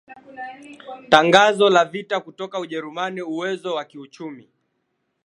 tangazo la vita kutoka Ujerumani Uwezo wa kiuchumi